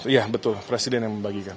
iya betul presiden yang membagikan